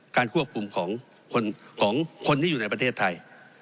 ควบคุมของคนที่อยู่ในประเทศไทย